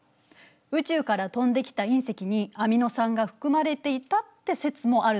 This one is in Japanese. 宇宙から飛んできた隕石にアミノ酸が含まれていたって説もあるのよ。